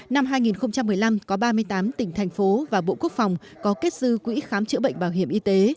năm hai nghìn một mươi năm có ba mươi tám tỉnh thành phố và bộ quốc phòng có kết dư quỹ khám chữa bệnh bảo hiểm y tế